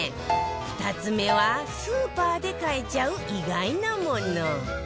２つ目はスーパーで買えちゃう意外なもの